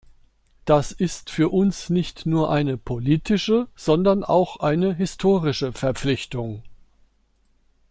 Das ist für uns nicht nur eine politische, sondern auch eine historische Verpflichtung.